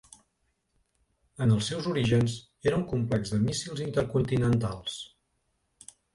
En els seus orígens, era un complex de míssils intercontinentals.